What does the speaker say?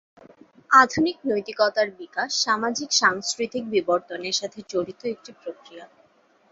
আধুনিক নৈতিকতার বিকাশ সামাজিক-সাংস্কৃতিক বিবর্তনের সাথে জড়িত একটি প্রক্রিয়া।